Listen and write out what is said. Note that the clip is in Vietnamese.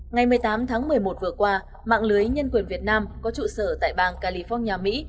ngày một mươi tám tháng một mươi một vừa qua mạng lưới nhân quyền việt nam có trụ sở tại bang california mỹ